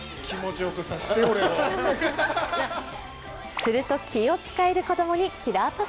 すると、気を使える子供にキラーパス。